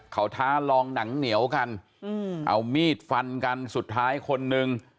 เขาท้าลองหนังเหนียวกันเอามีดฟันกันสุดท้ายคนนึง